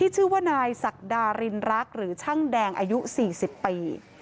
ชื่อว่านายศักดารินรักหรือช่างแดงอายุ๔๐ปี